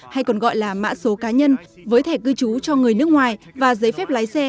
hay còn gọi là mã số cá nhân với thẻ cư trú cho người nước ngoài và giấy phép lái xe